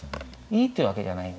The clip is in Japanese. いいっていうわけじゃない？